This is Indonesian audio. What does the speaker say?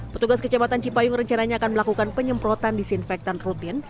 petugas kecamatan cipayung rencananya akan melakukan penyemprotan disinfektan rutin